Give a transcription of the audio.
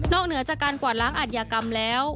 นอกเหนือจากกว่านล้างอัดยากรรมแล้ว